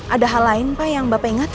ada hal lain pak yang bapak ingat